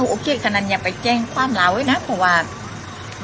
สุดท้ายสุดท้ายสุดท้ายสุดท้าย